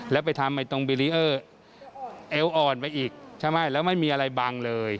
แล้วไปทำตรงบิรีเออร์เอวอ่อนไปอีกใช่ไหมแล้วไม่มีอะไรบังเลย